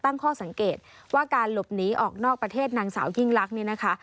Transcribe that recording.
ตั้งข้อสังเกตว่าการหลบหนีออกนอกประเทศนางสาวยิ่งลักษณ์เนี่ยนะคะ